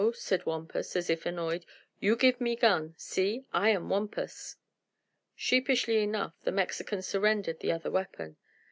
said Wampus, as if annoyed. "You give me gun. See I am Wampus!" Sheepishly enough the Mexican surrendered the other weapon.